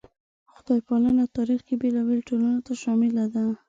خدای پالنه تاریخ کې بېلابېلو ټولنو ته شامله ده.